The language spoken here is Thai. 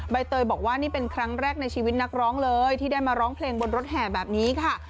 ใบเตยบอกว่านี่เป็นครั้งแรกในชีวิตนักร้องเลยที่ได้มาร้องเพลงบนรถแห่แบบนี้ค่ะ